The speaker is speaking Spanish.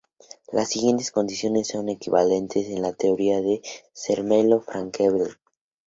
Las siguientes condiciones son equivalentes en la teoría de Zermelo-Fraenkel.